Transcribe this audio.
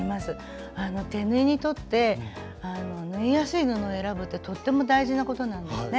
手縫いにとって縫いやすい布を選ぶってとっても大事なことなんですね。